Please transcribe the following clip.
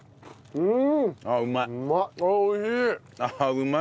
うん。